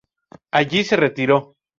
Allí se retiró.